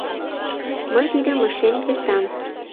Мый тидым ыштен кертам.